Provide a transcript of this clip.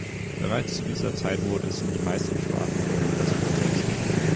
Bereits zu dieser Zeit wurde es in die meisten Sprachen Europas übersetzt.